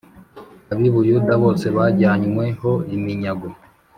Ab i Buyuda bose bajyanywe ho iminyago